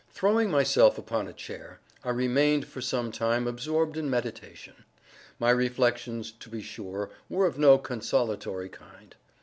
Throwing myself upon a chair, I remained for some time absorbed in meditation. My reflections, be sure, were of no consolatory kind.